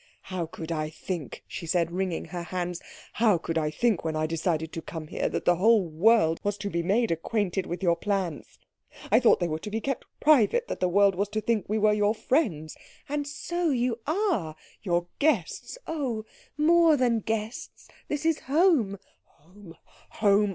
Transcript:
"How could I think," she said, wringing her hands, "how could I think when I decided to come here that the whole world was to be made acquainted with your plans? I thought they were to be kept private, that the world was to think we were your friends " "And so you are." " your guests " "Oh, more than guests this is home." "Home! Home!